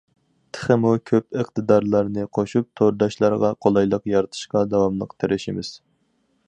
تېخىمۇ كۆپ ئىقتىدارلارنى قوشۇپ، تورداشلارغا قولايلىق يارىتىشقا داۋاملىق تىرىشىمىز.